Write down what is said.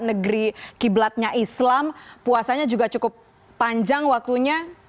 negeri kiblatnya islam puasanya juga cukup panjang waktunya